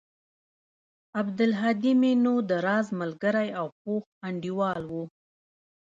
عبدالهادى مې نو د راز ملگرى او پوخ انډيوال و.